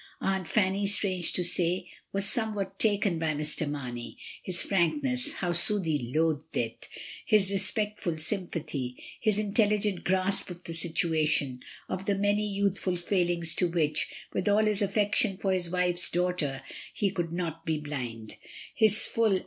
Aunt Fanny, strange to say, was somewhat taken by Mr. Marney; his frankness (how Susy loathed it), his respectful sympathy, his intelligent grasp of the situation, of the many youth ful failings to which, with all his affection for his wife's daughter, he could not be blind, his full ap i Mrs. Dymond, IL 3 34 MRS. DYMOND.